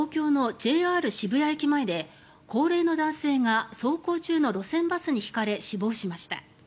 ＪＲ渋谷駅前で高齢の男性が走行中の路線バスにひかれ死亡しました。